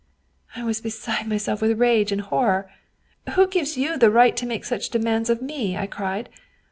I was beside myself with rage and horror. ' Who gives you the right to make such demands of me?' I cried.